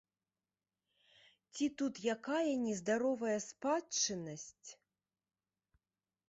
Ці тут якая нездаровая спадчыннасць?